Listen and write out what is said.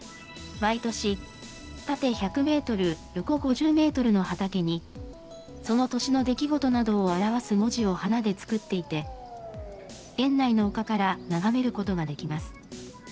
毎年、縦１００メートル、横５０メートルの畑に、その年の出来事などを表す文字を花で作っていて、園内の丘から眺めることができます。